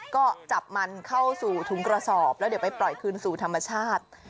ก็จับมันเข้าสู่ถุงกระสอบแล้วเดี๋ยวไปปล่อยคืนสู่ธรรมชาติ